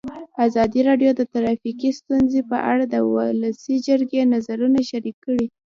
ازادي راډیو د ټرافیکي ستونزې په اړه د ولسي جرګې نظرونه شریک کړي.